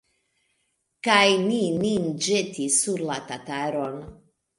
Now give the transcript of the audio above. Kaj ni nin ĵetis sur la tataron.